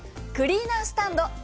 クリーナースタンド。